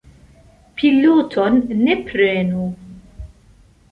Piloton ne prenu.